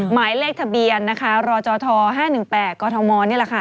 หมายเลขทะเบียนนะคะรจท๕๑๘กธมนี่แหละค่ะ